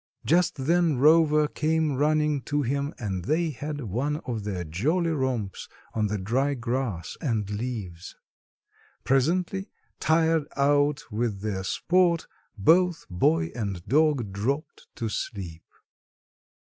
Just then Rover came running to him and they had one of their jolly romps on the dry grass and leaves. Presently, tired out with their sport, both boy and dog dropped to sleep.